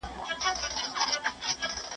تکنالوژي زموږ پر اړیکو اغېز کړی دی.